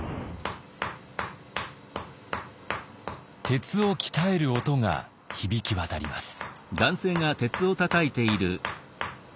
鉄を鍛える音が響き渡ります。